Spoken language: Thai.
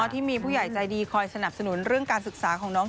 ที่มีผู้ใหญ่ใจดีคอยสนับสนุนเรื่องการศึกษาของน้อง